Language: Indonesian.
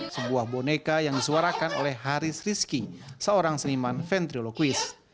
sebuah boneka yang disuarakan oleh haris rizki seorang seniman ventriologis